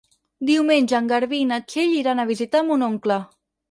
Diumenge en Garbí i na Txell iran a visitar mon oncle.